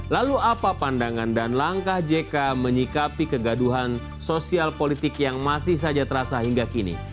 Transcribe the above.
lalu apa pandangan dan langkah jk menyikapi kegaduhan sosial politik yang masih saja terasa hingga kini